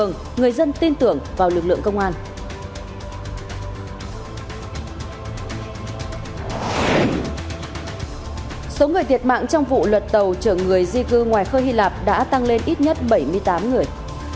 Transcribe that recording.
những người thiệt mạng trong vụ luật tàu trưởng người di cư ngoài khơi hy lạp đã tăng lên ít nhất bảy mươi tám người